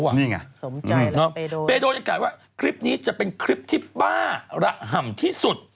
นี่ไงเบโดยังกล่าวว่าคลิปนี้จะเป็นคลิปที่บ้าระห่ำที่สุด